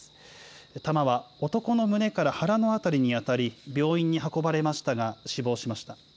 弾は男の胸から腹の辺りに当たり、病院に運ばれましたが、死亡しました。